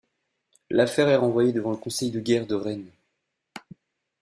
L'affaire est renvoyée devant le conseil de guerre de Rennes.